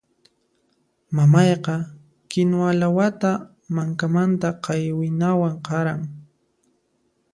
Mamayqa kinuwa lawata mankamanta qaywinawan qaran.